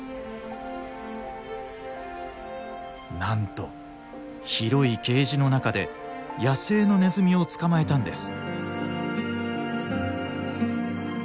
なんと広いケージの中で野生のネズミを捕まえたんです。